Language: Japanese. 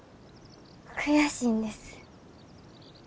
悔しいんです。